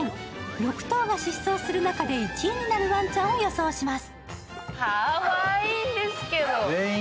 ６頭が疾走する中で１位になるワンちゃんを予想します